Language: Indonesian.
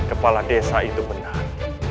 kepala desa itu benar